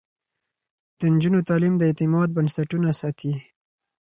د نجونو تعليم د اعتماد بنسټونه ساتي.